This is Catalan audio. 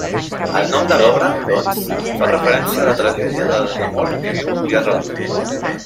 El nom de l'obra, doncs, fa referència a la tragèdia de desamor que viu Pierrot.